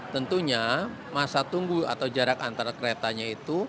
tentunya masa tunggu atau jarak antara keretanya itu